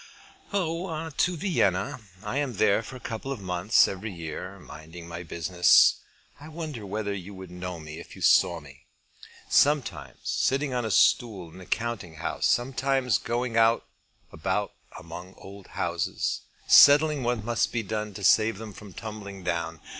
"Oh, to Vienna. I am there for a couple of months every year, minding my business. I wonder whether you would know me, if you saw me; sometimes sitting on a stool in a counting house, sometimes going about among old houses, settling what must be done to save them from tumbling down.